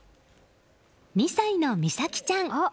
２歳の実咲ちゃん。